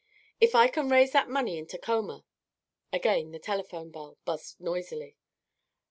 "If I can raise that money in Tacoma " Again the telephone bell buzzed noisily.